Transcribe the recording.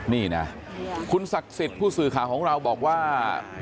นี่นะคุณศักดิ์สิทธิ์ผู้สื่อข่าวของเราบอกว่า